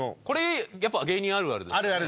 これやっぱり芸人あるある？